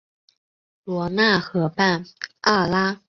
罗讷河畔阿尔拉。